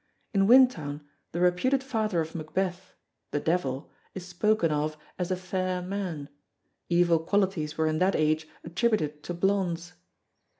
In Wintown the reputed father of Macbeth the Devil is spoken of as a "fayre" man; evil qualities were in that age attributed to blondes.